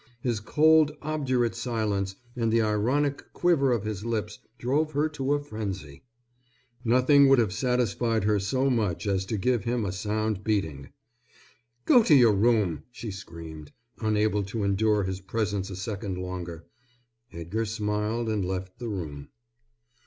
His cold, obdurate silence and the ironic quiver of his lips drove her to a frenzy. Nothing would have satisfied her so much as to give him a sound beating. "Go to your room," she screamed, unable to endure his presence a second longer. Edgar smiled and left the room.